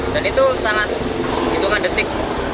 dan itu sangat itu kan detik